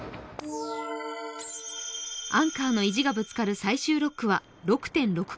アンカーの意地がぶつかる最終６区は６．６９５ｋｍ。